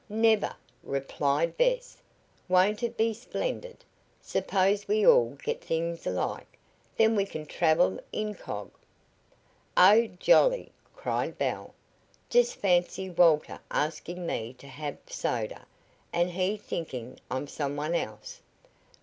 "Never!" replied Bess. "Won't it be splendid? Suppose we all get things alike? Then we can travel incog!" "Oh, jolly!" cried Belle. "Just fancy Walter asking me to have soda, and he thinking I'm some one else!"